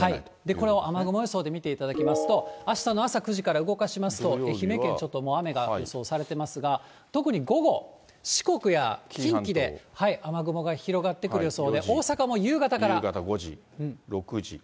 これを雨雲予想で見てみますと、あすの朝から雨雲予想で愛媛県はちょっともう雨が予想されていますが、特に午後、四国や近畿で雨雲が広がってくる予想で、大阪も５時、６時。